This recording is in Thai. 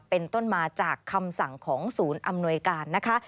เป็นต้นมาจากคำสั่งของศูนย์อำนวยการนะคะ